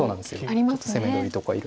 ちょっと攻め取りとかいろいろ。